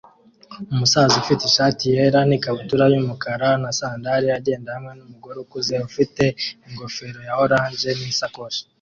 Umusaza ufite ishati yera n ikabutura yumukara na sandali agenda hamwe numugore ukuze ufite ingofero ya orange nisakoshi